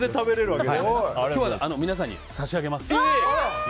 今日は皆さんに差し上げます。